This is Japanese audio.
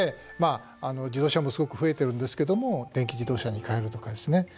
自動車もすごく増えているんですけども電気自動車に変えるとかですね